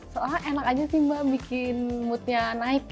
soalnya enak aja sih mbak bikin moodnya naik